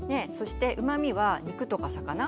そしてうまみは肉とか魚。